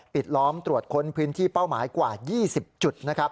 ปิดล้อมตรวจค้นพื้นที่เป้าหมายกว่า๒๐จุด